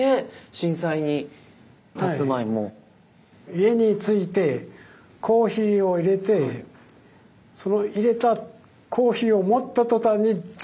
家に着いてコーヒーを入れてその入れたコーヒーを持ったとたんにずんときたんです。